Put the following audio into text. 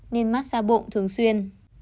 nên mát xa bụng thường xuyên